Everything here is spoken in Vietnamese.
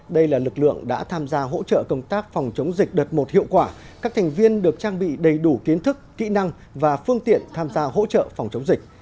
đây là lực lượng đã tham gia hỗ trợ công tác phòng chống dịch đợt một hiệu quả các thành viên được trang bị đầy đủ kiến thức kỹ năng và phương tiện tham gia hỗ trợ phòng chống dịch